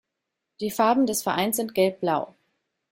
Die Farben des Vereins sind gelb-blau.